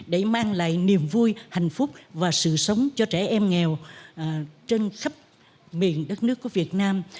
để mang lại niềm vui hạnh phúc và sự sống cho trẻ em nghèo trên khắp miền đất nước của việt nam